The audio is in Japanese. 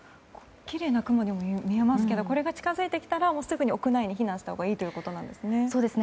きれいな雲にも見えますがこれが近づいてきたらすぐに屋内に避難したほうがいいということなんですね。